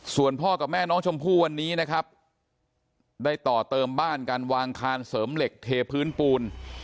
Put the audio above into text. ส่วนพ่อกับแม่น้องชมพู่วันนี้นะครับได้ต่อเติมบ้านการวางคานเสริมเหล็กเทพื้นปูน